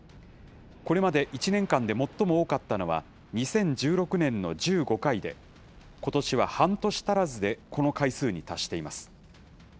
これまで１年間で最も多かったのは、２０１６年の１５回で、ことしは半年足らずでこの回数に達しています。